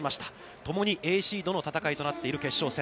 ともにＡシードの戦いとなっている決勝戦。